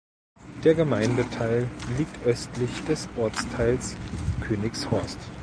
Der Gemeindeteil liegt östlich des Ortsteils Königshorst.